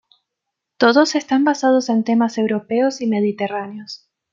Todos están basados en temas europeos y mediterráneos.